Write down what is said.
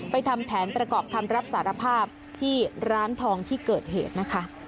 ทำแผนประกอบคำรับสารภาพที่ร้านทองที่เกิดเหตุนะคะ